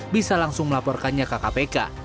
bisa langsung melaporkannya kkpk